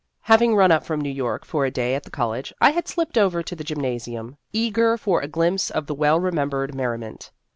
Having run up from New York for a day at the college, I had slipped over to the gymnasium, eager for a glimpse of the well remembered merriment.